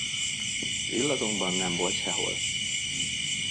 Bill azonban nem volt sehol.